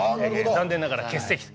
残念ながら欠席と。